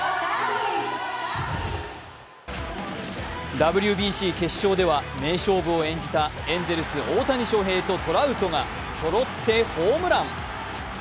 ＷＢＣ決勝では名勝負を演じたエンゼルス・大谷翔平とトラウトがそろって、ホームラン！